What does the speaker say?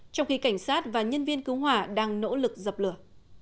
trong khi cảnh sát và nhân viên cứu hỏa đang nỗ lực dập lửa